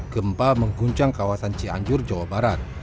gempa mengguncang kawasan cianjur jawa barat